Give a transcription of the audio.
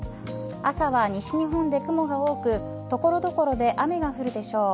朝は西日本で雲が多く所々で雨が降るでしょう。